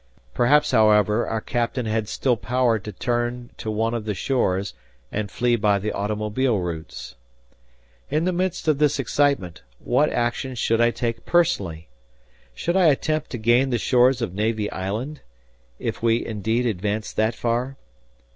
Perhaps, however, our captain had still power to turn to one of the shores and flee by the automobile routes. In the midst of this excitement, what action should I take personally? Should I attempt to gain the shores of Navy Island, if we indeed advanced that far?